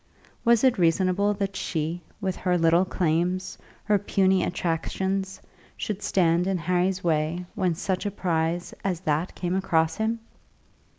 Was it reasonable that she with her little claims, her puny attractions, should stand in Harry's way when such a prize as that came across him!